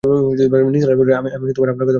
নিসার আলি বললেন, আমি আপনার কথা বুঝতে পারছি না।